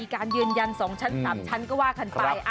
มีการยืนยันสองชั้นต่ำชั้นก็ว่ากันไป